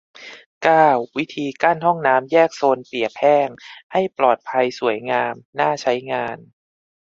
เก้า วิธีกั้นห้องน้ำแยกโซนเปียกแห้ง ให้ปลอดภัย สวยงาม น่าใช้งาน